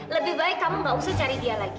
lebih baik kamu gak usah cari dia lagi